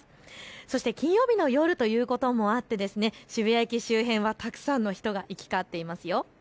そして金曜日の夜ということもあって渋谷駅周辺はたくさんの人が行き交っていますよ。